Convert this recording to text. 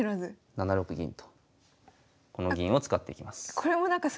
７六銀とこの銀を使っていきます。